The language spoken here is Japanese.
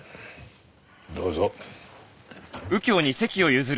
どうぞ。